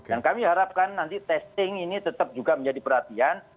dan kami harapkan nanti testing ini tetap juga menjadi perhatian